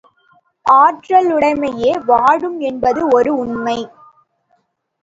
ஆற்றலுடைமையே வாழும் என்பது ஒரு உண்மை.